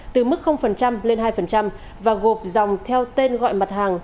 từ mức lên hai và gộp dòng theo tên gọi mặt hàng